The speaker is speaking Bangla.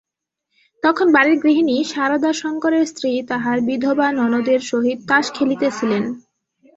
তখন বাড়ির গৃহিণী শারদাশংকরের স্ত্রী তাঁহার বিধবা ননদের সহিত তাস খেলিতেছিলেন।